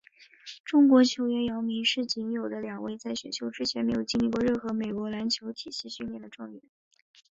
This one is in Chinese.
中国球员姚明是仅有的两位在选秀之前没有经历过任何美国篮球体系训练的状元。